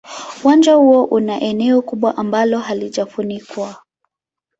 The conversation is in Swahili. Uwanja huo una eneo kubwa ambalo halijafunikwa.